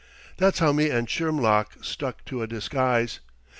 That's how me and Shermlock stuck to a disguise.